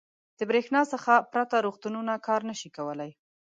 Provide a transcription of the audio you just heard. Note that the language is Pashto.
• د برېښنا څخه پرته روغتونونه کار نه شي کولی.